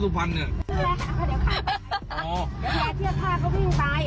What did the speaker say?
แล้วแพร่เทียบค่าเขาเพิ่งไป